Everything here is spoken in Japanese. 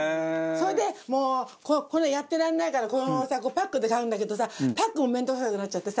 それでもうこういうのやってられないからパックで買うんだけどさパックも面倒くさくなっちゃってさ。